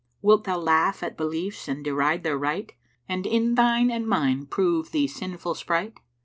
Wilt thou laugh at beliefs and deride their rite, And in thine and mine prove thee sinful sprite?